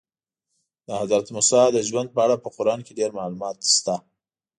د حضرت موسی د ژوند په اړه په قرآن کې ډېر معلومات شته.